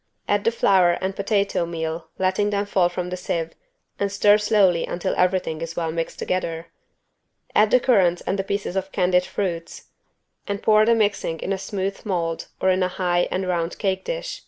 Add the flour and potato meal letting them fall from a sieve and stir slowly until everything is well mixed together. Add the currants and the pieces of candied fruits and pour the mixing in a smooth mold or in a high and round cake dish.